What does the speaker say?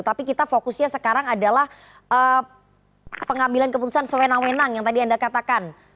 tapi kita fokusnya sekarang adalah pengambilan keputusan sewenang wenang yang tadi anda katakan